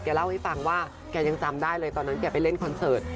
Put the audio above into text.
เล่าให้ฟังว่าแกยังจำได้เลยตอนนั้นแกไปเล่นคอนเสิร์ต